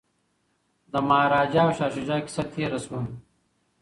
د مهاراجا او شاه شجاع کیسه تیره شوه.